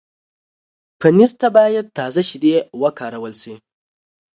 پنېر ته باید تازه شیدې وکارول شي.